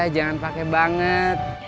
jangan pakai banget